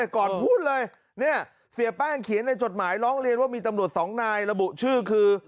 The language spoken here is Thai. ก่อนพูดเลยเนี่ยเสียแป้งเขียนในจดหมายร้องเรียนว่ามีตำรวจสองนายระบุชื่อคือ